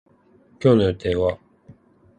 今日の予定は